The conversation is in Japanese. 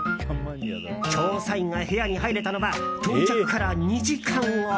調査員が部屋に入れたのは到着から２時間後。